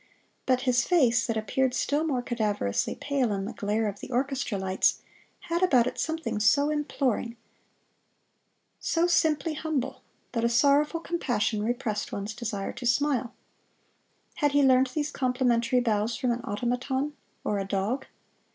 But his face, that appeared still more cadaverously pale in the glare of the orchestra lights, had about it something so imploring, so simply humble, that a sorrowful compassion repressed one's desire to smile. Had he learnt these complimentary bows from an automaton, or a dog?